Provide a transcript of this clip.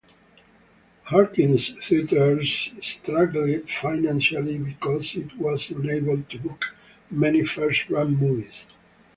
Harkins Theatres struggled financially because it was unable to book many first-run movies.